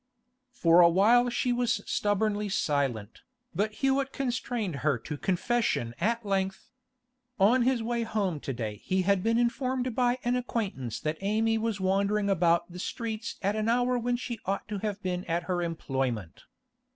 For a while she was stubbornly silent, but Hewett constrained her to confession at length. On his way home to day he had been informed by an acquaintance that Amy was wandering about the streets at an hour when she ought to have been at her employment.